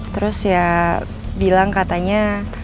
terus ya bilang katanya